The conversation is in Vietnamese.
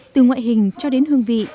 từ ngoại hình cho đến hương vị